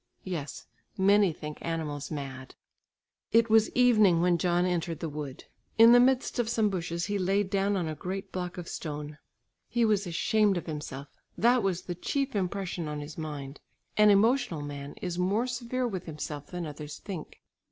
Yes, many think animals mad. It was evening when John entered the wood. In the midst of some bushes he laid down on a great block of stone. He was ashamed of himself, that was the chief impression on his mind. An emotional man is more severe with himself than others think.